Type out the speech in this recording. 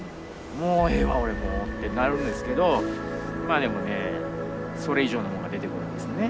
もうええわ俺もうってなるんですけどまあでもねそれ以上のものが出てくるんですよね。